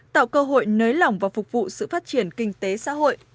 tạo cơ hội nới lỏng và phục vụ sự phát triển kinh tế xã hội